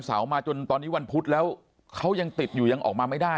มาจนตอนนี้วันพุธแล้วเขายังติดอยู่ยังออกมาไม่ได้